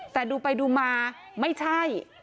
แต่ดูไปดูมาไม่ใช่